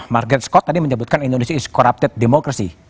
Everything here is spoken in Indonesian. market scott tadi menyebutkan indonesia is corrupted demokrasi